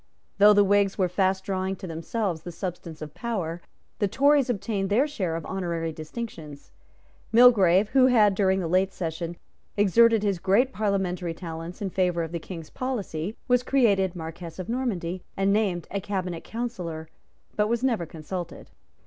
Though the Whigs were fast drawing to themselves the substance of power, the Tories obtained their share of honorary distinctions. Mulgrave, who had, during the late session, exerted his great parliamentary talents in favour of the King's policy, was created Marquess of Normanby, and named a Cabinet Councillor, but was never consulted.